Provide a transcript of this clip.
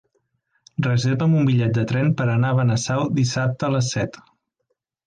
Reserva'm un bitllet de tren per anar a Benasau dissabte a les set.